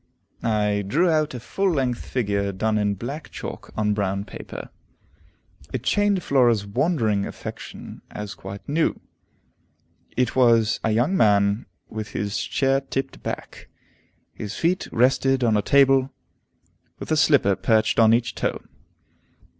I drew out a full length figure done in black chalk on brown paper. It chained Flora's wondering attention as quite new. It was a young man with his chair tipped back; his feet rested on a table, with a slipper perched on each toe.